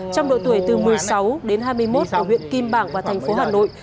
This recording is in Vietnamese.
trong độ tuổi từ một mươi sáu đến hai mươi một ở huyện kim bảng và thành phố hà nội